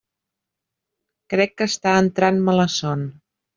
Crec que està entrant-me la son.